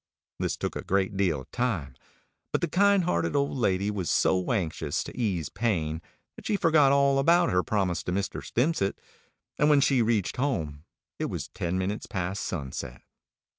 This took a great deal of time; but the kind hearted old lady was so anxious to ease pain that she forgot all about her promise to Mr. Stimpcett, and when she reached home it was ten minutes past sunset.